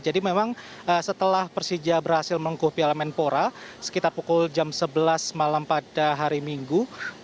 jadi memang setelah persija berhasil mengkuh piala menpora sekitar pukul jam sebelas malam pada hari minggu